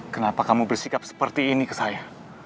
kenapa kamu bersikap seperti ini ke saya